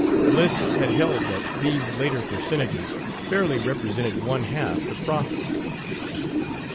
Bliss had held that these later percentages fairly represented one half the profits.